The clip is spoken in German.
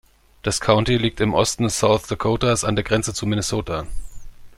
Das County liegt im Osten South Dakotas an der Grenze zu Minnesota.